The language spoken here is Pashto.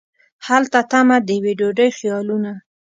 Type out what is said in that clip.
هلته تمه د یوې ډوډۍ خیالونه